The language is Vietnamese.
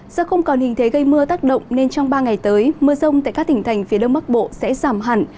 do không còn hình thế gây mưa tác động nên trong ba ngày tới mưa rông tại các tỉnh thành phía đông bắc bộ sẽ giảm hẳn